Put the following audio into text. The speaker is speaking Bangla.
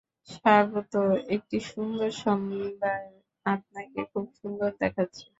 স্বাগত একটি সুন্দর সন্ধ্যায়, আপনাকে খুব সুন্দর দেখাচ্ছে।